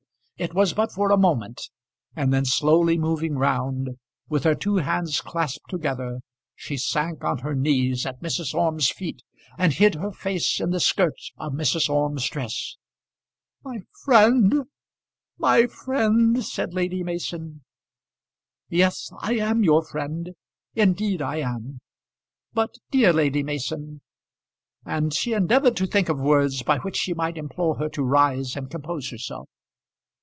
It was but for a moment, and then slowly moving round, with her two hands clasped together, she sank on her knees at Mrs. Orme's feet, and hid her face in the skirt of Mrs. Orme's dress. "My friend my friend!" said Lady Mason. "Yes, I am your friend indeed I am. But, dear Lady Mason " And she endeavoured to think of words by which she might implore her to rise and compose herself.